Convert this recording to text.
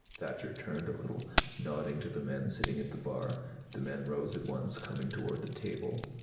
Thacher turned a little, nodding to the men sitting at the bar. The men rose at once, coming toward the table.